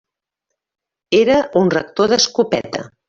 Era un rector d'escopeta.